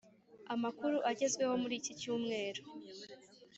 amakuru agezweho muri iki cyumweru